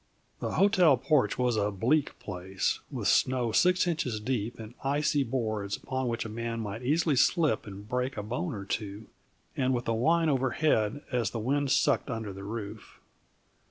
The hotel porch was a bleak place, with snow six inches deep and icy boards upon which a man might easily slip and break a bone or two, and with a whine overhead as the wind sucked under the roof.